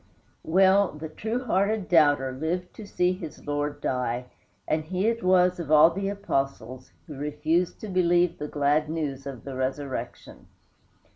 Well, the true hearted doubter lived to see his Lord die, and he it was, of all the disciples, who refused to believe the glad news of the resurrection.